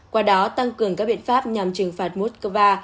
qua đó tăng cường các biện pháp nhằm trừng phạt moscow